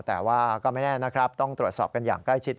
แต่ว่าก็ไม่แน่นะครับต้องตรวจสอบกันอย่างใกล้ชิด